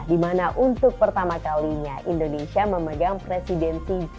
dimana untuk pertama kalinya indonesia memegang presidensi g dua puluh